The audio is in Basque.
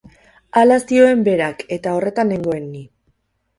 Hala zioen berak eta horretan nengoen ni.